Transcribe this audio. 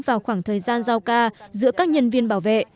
và tấn công vào khoảng thời gian giao ca